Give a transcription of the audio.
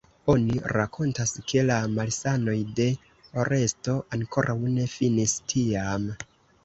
Oni rakontas ke la malsanoj de Oresto ankoraŭ ne finis tiam.